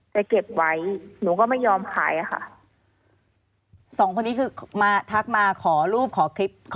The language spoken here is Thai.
เก็บไว้หนูก็ไม่ยอมขายค่ะสองคนนี้คือมาทักมาขอรูปขอคลิป